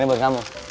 ini buat kamu